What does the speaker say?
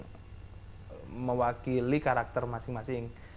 untuk mewakili karakter masing masing